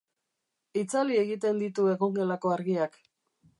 Itzali egiten ditu egongelako argiak.